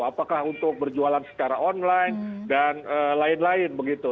apakah untuk berjualan secara online dan lain lain begitu